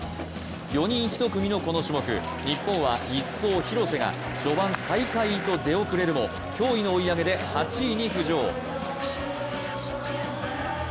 ４人一組のこの種目日本は、１走廣瀬が序盤最下位と出遅れるものの驚異の追い上げで８位に浮上。